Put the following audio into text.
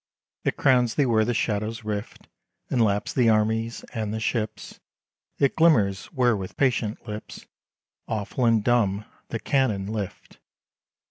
It crowns thee where the shadows rift, And laps the armies and the ships. It glimmers where with patient lips, Awful and dumb, the cannon lift.